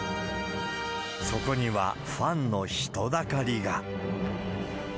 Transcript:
そこには、ファンの人だかりが。